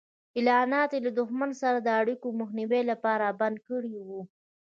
اعلانات یې له دښمن سره د اړیکو د مخنیوي لپاره بند کړي وو.